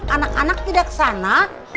anak anak tidak kesana